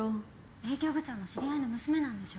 営業部長の知り合いの娘なんでしょ？